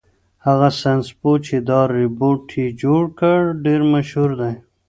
هغه ساینس پوه چې دا روبوټ یې جوړ کړ ډېر مشهور دی.